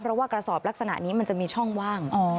เพราะว่ากระสอบลักษณะนี้มันจะมีช่องว่าง